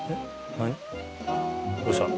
何どうした？